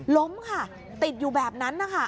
ล้มค่ะติดอยู่แบบนั้นนะคะ